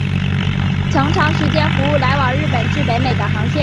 曾长时间服务来往日本至北美的航线。